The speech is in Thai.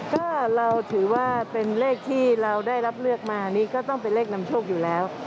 ก็เราถือว่าเป็นเลขที่เราได้รับเลือกมานี่ก็ต้องเป็นเลขนำโชคอยู่แล้ว